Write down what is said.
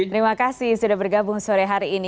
terima kasih sudah bergabung sore hari ini